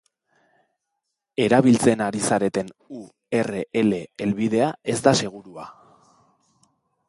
Erabiltzen ari zareten u erre ele helbidea ez da segurua.